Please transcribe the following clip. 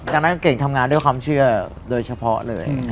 ดังนั้นเก่งทำงานด้วยความเชื่อโดยเฉพาะเลย